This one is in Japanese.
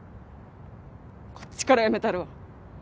こっちから辞めたるわ。